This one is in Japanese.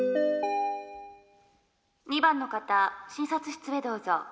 「２番の方診察室へどうぞ」。